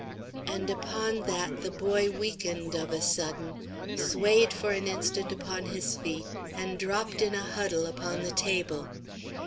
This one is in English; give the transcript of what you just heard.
And upon that the boy weakened of a sudden, swayed for an instant upon his feet, and dropped in a huddle upon the table.